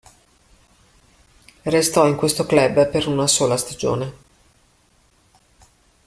Restò in questo club per una sola stagione.